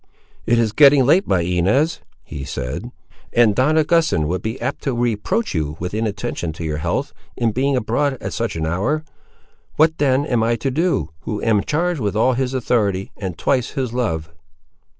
"It is getting late, my Inez," he said, "and Don Augustin would be apt to reproach you with inattention to your health, in being abroad at such an hour. What then am I to do, who am charged with all his authority, and twice his love?"